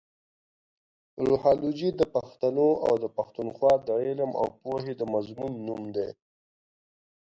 روهالوجي د پښتنو اٶ د پښتونخوا د علم اٶ پوهې د مضمون نوم دې.